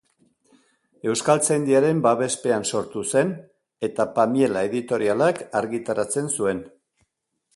Euskaltzaindiaren babespean sortu zen eta Pamiela editorialak argitaratzen zuen.